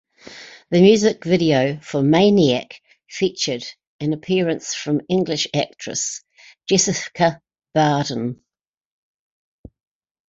The music video for "Maniac" featured an appearance from English actress Jessica Barden.